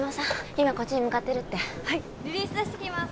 今こっちに向かってるってリリース出してきます